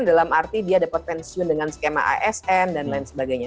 dalam arti dia dapat pensiun dengan skema asn dan lain sebagainya